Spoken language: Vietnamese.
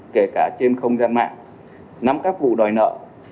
kể cả trên không gian mạng nắm các vụ đòi nợ